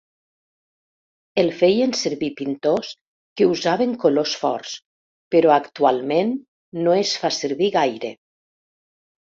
El feien servir pintors que usaven colors forts, però actualment no es fa servir gaire.